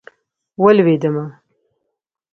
ولوېدمه.